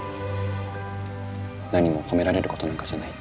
何も褒められることなんかじゃない。